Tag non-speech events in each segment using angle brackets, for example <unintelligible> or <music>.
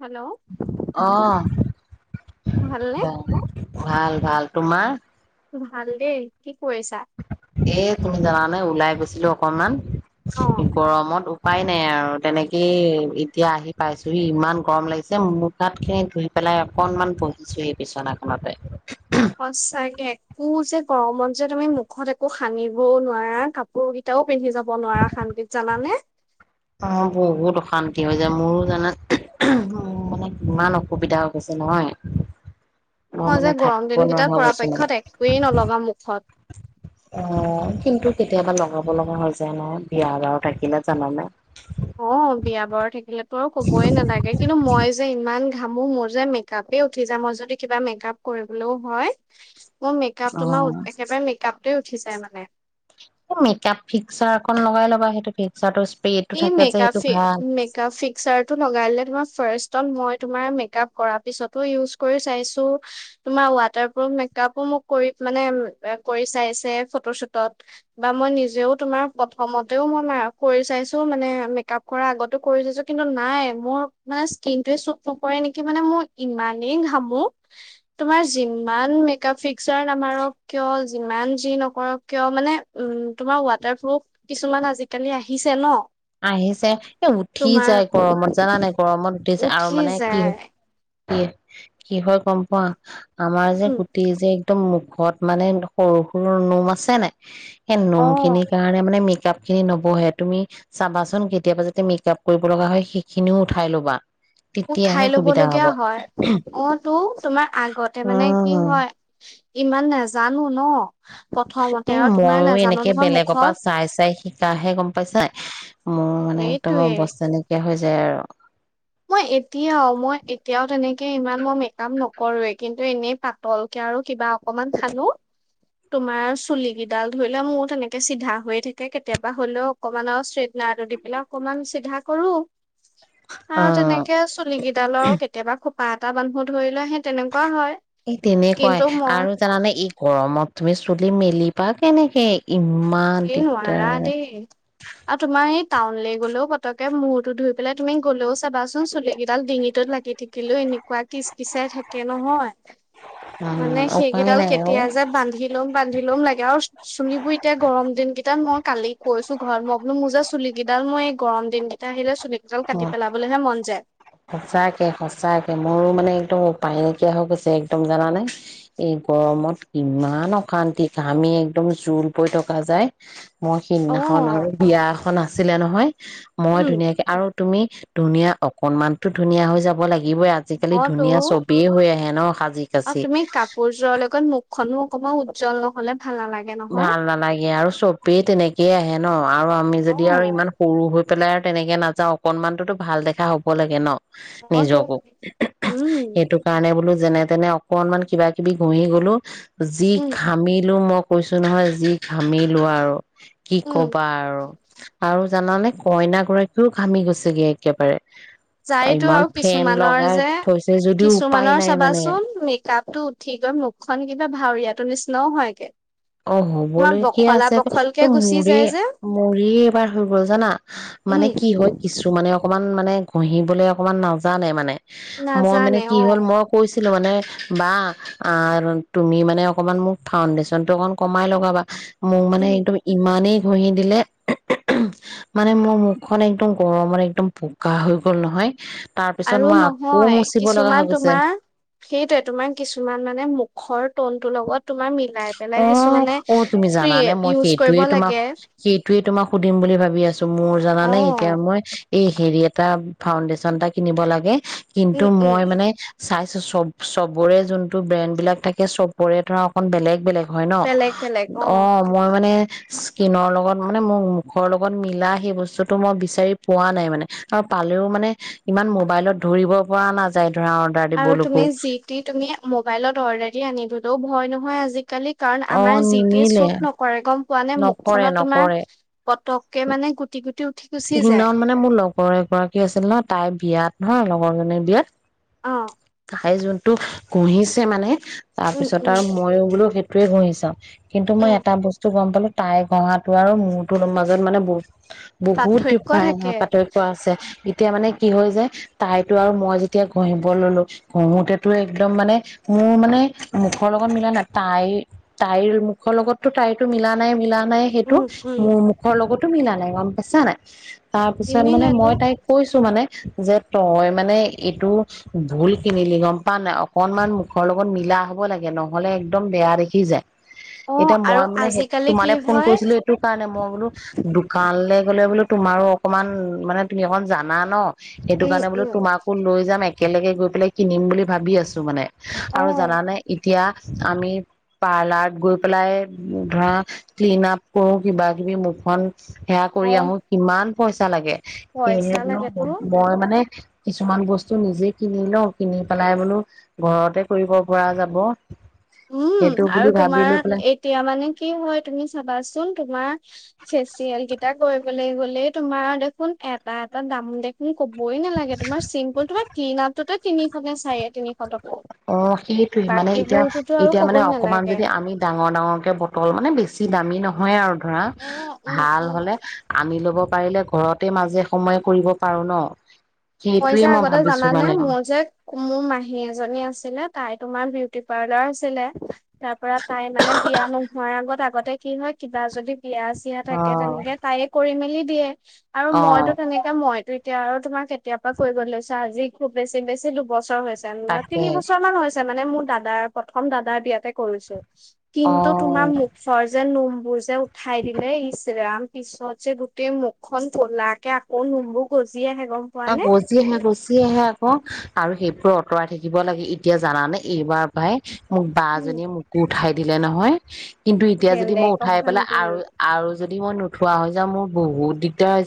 Hello অ', ভালনে? ভাল। ভাল। তোমাৰ? ভাল দেই। কি কৰিছা? এই, তুমি জানা নে, ওলাই গৈছিলো অকমান অ গৰমত উপায় নাই আৰু তেনেকেই এতিয়া আহি পাইছোহি। ইমান গৰম লাগিছে। মুখ হাতখিনি ধুই পেলাই অকনমান বহিছোহি বিচনাখনতে সচাঁকে কো যে গৰমত যে তুমি মুখত একো সানিবও নোৱাৰা, কাপোৰ কিটাও পিন্ধি যাব নোৱাৰা শান্তিত জানানে? অ, বহুত অশান্তি হৈ যায়। মোৰো জানা, মোৰ মানে কিমান অসুবিধা হৈছে নহয় মই মানে যে গৰম থাকিব নোৱাৰা দিনকেইটা হৈ গৈছো মানে। পৰাপক্ষত একোৱে নলগাও মুখত। অ, কিন্তু কেতিয়াবা লগাব লগা হৈ যায় ন বিয়া বাৰু থাকিলে জানানে অহ বিয়া বাৰু থাকিলে তো আৰু ক'বই নালাগে, কিন্তু মই যে ইমান ঘামো মোৰ যে মেকআপেই উঠি যায়, মই যদি কিবা মেকআপ কৰিবলৈও হয়। মই মেকআপ অ', তোমাৰ একেবাৰে মেকআপটোৱে উঠি যায় মানে এ মেকআপ ফিক্সাৰ অকন লগাই ল'বা সেইটো ফিক্সাৰটো স্প্ৰেটো এই থাকে যে সেইটো মেগাফি, ভাল। মেগাফিক্সাৰটো লগালে তোমাক ফাৰ্ষ্টত মই তোমাৰ মেক আপ কৰাৰ পিছটো ইউজ কৰি চাইছোঁ, তোমাৰ ৱাটাৰপ্ৰুফ মেক আপো মোক কৰি মানে কৰি চাইছে, ফটো চটোত, বা মই নিজেও তোমাক প্ৰথমতেও মই মা কৰি চাইছোঁ। ত' মানে মেকআপ কৰা আগতো কৰি চাইছোঁ কিন্তু নাই মোৰ মানে স্কিনটোৱে চুট নকৰে নেকি মানে মই ইমানেই ঘামো তোমাৰ যিমান মেকাপ ফিক্সাৰ নামাৰক কিয় যিমান যি নকৰক কিয় মানে উম, তোমাৰ ৱাটাৰপ্ৰুফ কিছুমান আজিকালি আহিছে ন'। আহিছে, এ, উঠি তোমাৰ যায় গৰমত জানা নাই গৰমত উঠি যায় আৰু মানে কি হ ইয়ে। কি হয় গম পোৱা আমাৰ যে উম গুটি যে? ত' মুখত মানে সৰু সৰু নোম আছে নাই। সেই অ নোম খিনিৰ কাৰণে মানে মিক কিতাপ খিনি নপঢ়ে তুমি চাবাচোন কেতিয়াবা যাতে মেকআপ কৰিবলগা হয় সেইখিনিও উঠাই ল'বা। তেতিয়াহে উঠাই সুবিধা হ'ব ল'বলগীয়া হয়, অ', টো তোমাৰ আগতে মানে কি উম। হয় ইমান নেজানো ন'। প্ৰথমতে এ, আৰু তোমাৰ ময়ো নাজানো এনেকে নহয় বেলেগৰ পৰা মুখত চাই চাই শিকাহে গম পাইছা নাই, মোৰ মানে একদম সেইটোয়ে অবস্থা নাইকীয়া হৈ যায়। তেৰ। মই এতিয়াও, মই এতিয়াও তেনেকে ইমান মই মেকআপ নকৰোঁয়ে কিন্তু এনে পাতলকে আৰু কিবা অকমান সানোঁ, তোমাৰ চুলকিডাল ধৰিলোৱা মোৰ তেনেকে সিধা হৈয়ে থাকে কেতিয়াবা হ'লেও অকমান আৰু চেপনা এটা দিপ্লায় অকমান সিধা কৰোঁ। আৰু অ তেনেকে চুলিকিডালো কেতিয়াবা খুব বাৰতামান ফত ধৰিল শেষ তেনেকুৱায় মই আৰু জানানে ই গৰমত তুমি চুলি মিলিবা কেনেকে? ইমান এই নোৱাৰা দিকদাৰ। দেই আৰু তোমাৰ এই টাউনলৈ গ'লেও পতককে মুৰটো ধুইপেলায় তুমি গলেও চাবাচোন চুলিকিডাল ডিঙিতত লাগি থাকিলেও এনেকুৱা কিচকিচাই থাকে। কে নহয় মানে উম উপায় সিকেইডাল নাই অ কেতিয়া যে বান্ধি লম বান্ধি লম লাগে আৰু চু চুলিবোৰ এতিয়া ইনকেতাক মই কালি কৈছোঁ ঘৰত ম বলোঁ মই যে চুলিকেইডাল মই গৰম দিন কেইটা আহিলে চু সঁচাকে, সঁচাকে, মোৰো মানে একদম পায় নাইকিয়া হৈ গৈছে একদম জানানে, এই গৰমত ইমান অশান্তি ঘামি একদম জোল বৈ থকা যায় মই অ সেইদিনাখন আৰু বিয়া এখন আছিলে নহ হয় মই উম ধুনীয়াকে আৰু তুমি ধুনীয়া অকমাণটো ধুনীয়া হৈ যাব লাগিব। আজি কালি অ তো ধুনীয়া সৱে হৈ আহে ন সাজি কাঁচি অকন উজ্জ্বল নহলে ভাল নালাগে নহয় ভাল নালাগে আৰু ছবে তেনেকৈ আহে ন। আৰু আমি অ যদি আৰু ইমান সৰু পেলাই তেনেকৈ নাজাও অকণমান টো ভাল দেখা হ'ব লাগে ন। অ তো নিজকে। উম এইটো কাৰণে বুলো যেনে-তেনে অকণমান কিবা কিবি ঘঁহি গলোঁ যি উম, ঘামিলো কৈছোঁ নহয় যি ঘামিলোঁ আৰু কি উম, ক'বা আৰু? জানানে কইনা গৰাকীও ঘামি গৈছে একেবাৰে। যাই টো ইমান আৰু ফেন কিছুমানৰ লগাই যে থৈছে যদিও উপায় কিছুমানৰ নাই মানে চাবাচোন মেকাপটো উঠি গৈ মুখখন কিবা ভাওৰীয়া টো নিচিনা হয় গে। অ' হব লগীয়া আছে যে ঐ গুচি মোৰে যায় যে মোৰে এবাৰ হৈ গল জনা মানে উম, কি হয় কিছুমানে অকণমান উম মানে ঘহিবলৈ অকণমান নাজানে মানে মই মানে নাজানে কি হল অ', মই কৈছিলো মানে বা আহ তুমি মানে অকমান মোক ফাউণ্ডেছনটো অকণমান কোমাই লগাবা মোক মানে উম। একদম ইমানেই ঘহি দিলে মানে মোৰ মুখখন একদম গৰম মানে একদম বগা হৈ গল নহয়। তাৰ পিছত আৰু মই আকৌ নহয় মুচিব লগা হৈ কিছুমান গৈছে তোমাৰ সেইটোৱে তোমাৰ কিছুমান মানে মুখৰ টনটোৰ তোমাৰ মিলা অ' অ' তুমি জানানে মই ইউজ কৰিব সেইটোৱে তোমাক লাগে সেইটোৱে তোমাক সুধিম বুলি ভাবি আছো মোৰ জানানে এতিয়া অ', মই এই হেৰি এটা ফাউণ্ডেছন এটা কিনিব লগে। কিন্তু উম, উম, মই মানে চাইছোঁ চ'ব চবৰে যোনটো ব্ৰেণ্ড বিলাক থাকে চবৰে ধৰা অকন বেলেগ বেলেগ হয় ন বেলেগ বেলেগ অ' মই মানে স্কিন লগত মানে মোৰ মুখৰ লগত মিলা সেই বস্তুটো মই বিচাৰি পোৱা নাই মানে আৰু পালেও মানে ইমান মোবাইলত ধৰিব পৰা নাযায়। ধৰা অৰ্ডাৰ আৰু দিবলৈকো তুমি যি তি তুমি মোবাইল অৰ্ডাৰ দি, আনিবলৈ ভয় ন হয় আজি কালি। কাৰণ অ আমাৰ যি তিয়ে নিমিলে ছুট নকৰে। গম পোৱা নে? নকৰে মুখখনত নকৰে তোমাৰ পত কে মানে গুটি গুট সিদিনাখন মানে মোৰ লগৰ এগৰাকী আছিল না। তাইৰ বিয়াত নহয়। লগৰ জনীৰ বিয়াত অ। খাই যনটো কুহিছে মানে। তাৰ উম পিছত উম আৰু ময়ো বোলো সে <unintelligible> ঘঁহি আছা। কিন্তু মই উম ‌এ‌টা বস্তু গম পালো তাই ঘহাটো আৰু মোৰ তোৰ মাজত মানে বহু বহুত <unintelligible> পাৰ্থক্য থাকে পাৰ্থক্য আছে। তেতিয়া মানে কি হয় যে, তাইতো আৰু মই যেতিয়া ঘহিব ললো, ঘহোতেতো একদম মানে মোৰ মানে মুখৰ লগত মিলা নাই, তাইৰ তাইৰ মুখৰ লগতো তাইৰতো মিলা নাই মিলা নাই, সেইটো উম উম মোৰ মুখৰ লগতো মিলা নাই। <unintelligible> ইচ্ছা নাই। তাৰ পিছত মানে নিমিলেতো মই তাইক কৈছো মানে যে, তই মানে এইটো ভুল কিনিলি গম পাৱ নাই? অকনমান মুখৰ লগত মিলা হব লাগে। নহ'লে একদম বেয়া দেখি যায়। অ এতিয়া, আৰু মই মানে সেই আজিকালি কি তোমালে ফোন হয় কৰিছিলো এইটো কাৰণে মই বোলো দোকানলে হলে বোলো। তোমাৰো অকনমান মানে তুমি অকন জানা ন। সেইটো উম কাৰণে বোলো উম তোমাকো লৈ যাম এক একেলগে গৈ পেলাই, কিনিম বুলি ভাবি আছো মানে। অ আৰু জানানে। এতিয়া আমি পাৰ্লাৰত গৈ পেলাই। উম, ধৰা ক্লিন আপ কৰো। কিবা কিবি মুখখন হে অ কৰি আহো। কিমান পইচা লাগে। পইচা সেয়েহে বোলো, ম লাগেতো মই মানে কিছুমান বস্তু নিজে কিনি লওঁ। কিনি পেলাই বোলো ঘৰতে কৰিব পৰা যাব। উম, সেইটো বুলি আৰু ভাবি লৈ তোমাৰ পেলাই এতিয়া মানে কি হয়। তুমি চাবাচোন তোমাৰ ফেচিয়েল কেইটা কৰিবলৈ গ'লে, তোমাৰ দেখোন এটা, এটা দাম দেখি ক'বই নালাগে। তোমাৰ চিম্পুল তোহে কি নামটোতে তিনি খনে চাৰে তিনিখ অ সেইটোৱে মানে এতিয়া আৰু এতিয়া মানে ক'বই অকমান নালাগে। যদি আমি ডাঙৰ ডাঙৰ কে বটল মানে বেছি <inaudible> দামী নহয় আৰু। ধৰা উম, উম, ভাল উম। হ'লে আনি ল'ব পাৰিলে ঘৰতে মাজে সময়ে কৰিব পাৰো ন। মই যে সেইটোয়ে আগতে ভাবিছো জানানে মানে মোৰ যে মোৰ মাহী এজনী <inaudible> <unintelligible> তাই তোমাৰ বিউটি পাৰ্লাৰ আছিলে তাৰ পৰা তাই মানে বিয়া নোহোৱাৰ আগত আগতে কি হয় কিবা যদি বিয়া চিয়া অ থাকে তেনেকে তায়ে কৰি মেলি দিয়ে আৰু অ মইতো তেনেকে মইতো এতিয়া আৰু তোমাৰ কে বেপাৰ কৰিব লৈছে আজি খুব বেছি বেছি দুবছৰ হৈছে <unintelligible> বা তাকে তিনিবছৰ মান হৈছে <inaudible> নে মোৰ দাদাৰ প্ৰথম দাদাৰ বিয়াতে কৰিছোঁ। অ কিন্তু তোমাৰ মুখৰ যে নুম বোৰ যে উঠাই দিলে, ইছ ৰাম পিছত যে গোটে মুখখন ক'লাকে আকৌ নোমবোৰ গজি আহে গ অ', গজি আহে গুচি আহে <unintelligible> আৰু সেইবোৰ অতৰাই থাকিব লাগে এতিয়া জানানে এইবাৰৰ পাই বা উম জনিয়ে মোকো উঠাই দিলে নহয়। কিন্তু এতিয়া যদি মই বেলেগ উঠাই পেলাই অশান্তি আৰু-আৰু যদি মই থুৱাজে মোৰ বহুত দিগদাৰ হৈছে।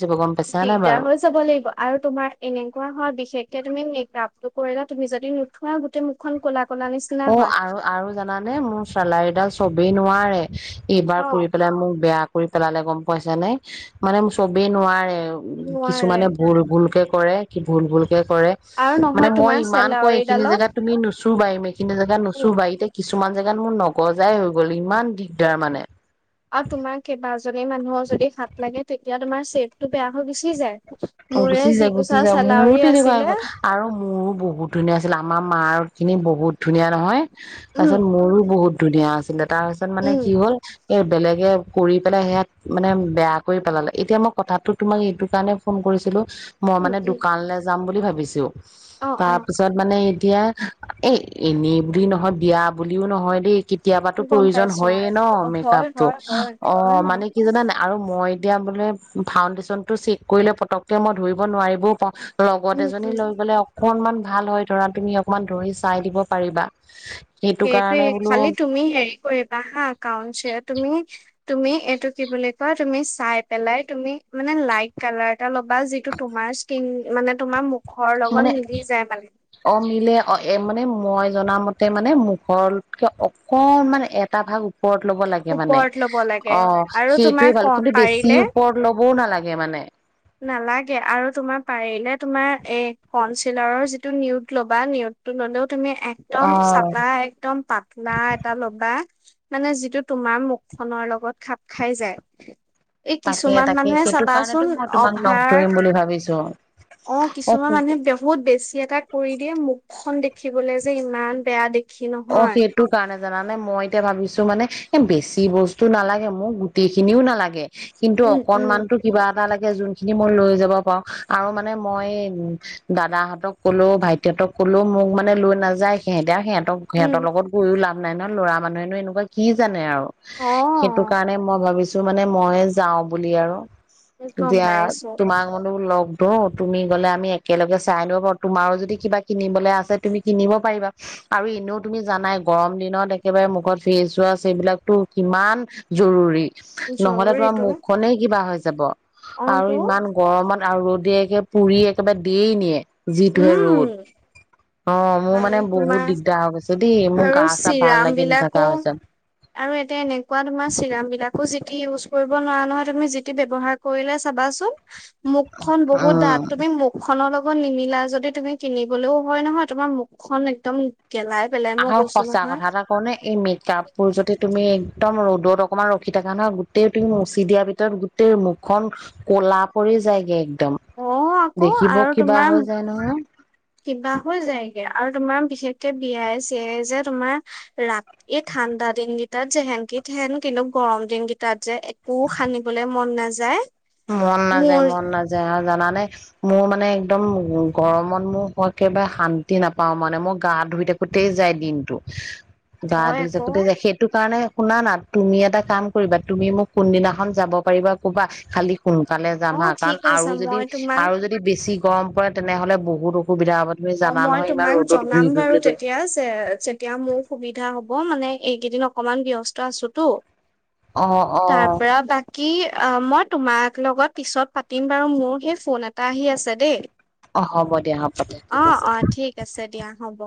দিগদাৰ হৈছে বুলি আৰু তোমাৰ এনেকোৱা হৈ বিশেষকে তুমি মেকআপটো কৰিলে তুমি যদি নুথুৱা, গোটে মুখখন ক'লা ক'লা নিচিনা অ', হয় আৰু, আৰু জানা নে মোৰ চেলাউৰি দাল চবেই নোৱাৰে। এইবাৰ অ কৰি পেলাই মোক বেয়া কৰি পেলালে গম পাইছানে মানে মোক চবে নোৱাৰে। নোৱাৰে কিছুমানে ভূল ভূল কে কৰে ভূল ভূল কৰে, আৰু নহয় তোমাৰ মই ইমান কও এইখিনি চেলাউৰিডালত জেগাত তুমি নুচুবা জেগা উম নুচুবা কিছুমান জেগাত মোৰ নগজাই হৈ গ'ল, ইমান দিগদাৰ মানে। যদি মানুহক যদি সাত লাগে তোমাৰ চেপটো বেয়া হৈ গুছি যায়। অ', মোৰে গুছি যায় গুছি যিকোছা যায় মোৰো চেলাউৰি তেনেকুৱা আছিলে আক আৰু মোৰো বহুত ধুনীয়া আমাৰ মাৰ খিনি বহুত ধূনীয়া নহয়। উম তাৰপাছত মোৰো বহুত ধূনীয়া আছিলে তাৰপাছত মানে উম কি হ'ল, এই বেলেগে কৰিপেলে হেয়াত মানে বেয়া কৰি পেলালে, এতিয়া মই কথাটো তোমাক এইটো কাৰণে ফোন কৰিছিলোঁ মই উম মানে উম দোকানলৈ যাম বুলি ভাবি <unintelligible> অ তা অ পিছত মানে এতিয়া এ এনেবুলি নহয় বিয়াৰ বুলিও নহয় দেই কেতিয়াবাতো গম প্ৰয়োজন পাইছো হয়ে ন অ হয় মেকআপটো হয় হয় অ মানে কি জানানে নাই আৰু মই এতিয়া বোলে ফাউণ্ডেশ্যনটো চি কৰিলে পতককে মই ধৰিব নোৱাৰিবও পাওঁ লগত উম এজনী উম লৈ গলে অকনমান ভাল হয়, ধৰা তুমি অকমান ধৰি চাই দিব পাৰিবা। সেইটো সেইটোৱে কাৰণে বোলো খালি তুমি হেৰি কৰিবা হা কাউনচ তুমি তুমি এইটো কি বুলি কয় তুমি চাই পেলাই তুমি মানে লাইট কালাৰ এটা ল'বা যিটো তোমাৰ স্কিন মানে তোমাৰ মুখ মানে অ মিলে অ মানে মই জনা মতে মানে মুখতকে অকণ মানে এটা ভাগ ওপৰত ল'ব লাগে মানে ওপৰত ল'ব লাগে অ আৰু তোমাৰ সেইটোয়ে ক ভাল কিন্তু বেছি পাৰিলে ওপৰত ল'ব ক'বও নালাগে মানে। নালাগে আৰু তোমাৰ পাৰিলে তোমাৰ এ কনচিলাৰৰ যিটো নউট ল'বা নউটটো ললেওঁ তুমি একদম অ চফা একদম পাতলা এটা ল'বা মানে যিটো তোমাৰ মুখ খনৰ লগত খাপ খাই যায় এই তাকে কিছুমান তাকে মানুহে সেইটো কাৰণেতো চাবাচোন মই তোমাক লগ ধৰিম অভাৰ বুলি ভাবিছো অ কিছুমান মানুহে বহুত বেছি এটা কৰি দিয়ে মোক মুখখন দেখিবলৈ যে ইমান বেয়া দে অ সেইটো কাৰণে জানানে মই এতিয়া ভাবিছো মানে এ বেছি বস্তু নালাগে মোৰ গোটেই খিনিও নালাগে কিন্তু উম উম অকনমান টো কিবা এটা লাগে। যোনখিনি মই লৈ যাব পাৰো আৰু মানে মই দাদাহঁতক কলো ভাইটিহতক কলো মোক মানে লৈ নাযায় সিহঁতে আৰু সিহঁত সিহঁতৰ উম। লগত গৈও লাভ অনলাইনত ল'ৰা মানুহেনো এনেকুৱা কি জানে আৰু। অ সেইটো কাৰণে মই ভাবিছোঁ ক'ৰবালে মানে মই যাওঁ বুলি আৰু গম দিয়া পাইছো তোমাক বোলো লগ তু তুমি গ'লে আমি একেলগে চাই ল'ব। তোমাৰো যদি কিবা কিনিবলে আছে তুমি কিনিব পাৰিবা? আৰু এনেও তুমি জানাই গৰম দিনত একেবাৰে মুখত ফেচৱাছ এইবিলাকতো কিমান জৰুৰী। নহলে তোমাৰ জৰুৰীটো মুখখনেই কিবা হৈ যাব। অ আৰু তো ইমান গৰমত আৰু ৰ'দে একে পুৰি একেবাৰে দেয় নিয়ে। যিটোহে ৰ'দ। উম অ মোৰ মানে আৰু বহুত দিগদাৰ হৈ গৈছে দেই তোমাৰ মোৰ আৰু গা চা ভাল চিৰাম লাগি নাথাকা বিলাকো হৈছে আৰু এতিয়া এনেকুৱা তোমাৰ চিৰাম বিলাক এইবোৰ যিতি ইউজ কৰিব নোৱাৰা নহয়। তুমি যিতি ব্যৱহাৰ কৰিলে চাবাচোন? মুখখন বহুত উম ডাঠ তুমি মুখ খনৰ লগত, নিমিলা যদি তুমি কিনিবলেও হয় নহয়। তোমাৰ মুখখন একদম গেলাই পেলাই মই আৰু কৈছো সঁচা নহয়। কথা এটা কওঁনে এই মেকাপবোৰ যদি তুমি একদম ৰ'দত অকণমান ৰখি থাকা নহয় গোটেই তুমি মুচি দিয়াৰ ভিতৰত গোটেই মুখখন ক'লা পৰি যায়গে। একদম। অ' আকৌ দেখিব আৰু কিবা তোমাৰ হৈ যায় নহয় কিবা হৈ যায়গে আৰু তোমাৰ বিশেষকে বিয়াই চিয়াই যে তোমাৰ ৰা এই ঠাণ্ডাদিন, তাত <unintelligible> <unintelligible> কিন্তু গৰম দিনকেইটাত যে <unintelligible> সানিবলে মন নাযায় যায় মন নাযায় মন নাযায় আৰু জানানে, <unintelligible> মোৰ মানে একদম গৰমত মোৰ মই একেবাৰে শান্তি নাপাওঁ মানে মই গা ধুই থাকোতেই যায় দিনটো। গা হয় ধুই আকৌ থাকোঁতে যায় সেইটো কাৰণে শুনাানা তুমি এটা কাম কৰিবা তুমি মোক কোনদিনাখন যাব পাৰিবা কবা খালী, সোনকালে যাম হা অ', কাৰণ ঠিক আছে আৰু যদি মই তোমাক আৰু যদি বেছি গৰম পৰে তেনেহ'লে বহুত অসুবিধা হ'ব তুমি অ জানা মই নহয় ইমান তোমাক ৰ'দত ঘূৰি জনাম বাৰু ফুৰিবলৈ তেতিয়া যে যেতিয়া মোৰ সুবিধা হ'ব মানে এইকেইদিন অকণমান ব্যস্ত আছোতো অ অ তাৰ পৰা বাকী অ <unintelligible> তোমাক লগত পিছত পাতিম বাৰু মোৰ সেই ফোন এটা আহি আছে দেই অ হ'ব দিয়া <unintelligible> অ' আছে অ' ঠিক আছে দিয়া হ'ব।